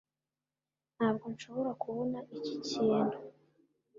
ntabwo nshobora kubona iki kintu.